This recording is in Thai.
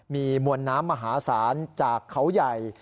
มีมวลน้ำมหาศาลจากเขาใหญ่